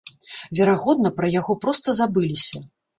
Верагодна, пра яго проста забыліся.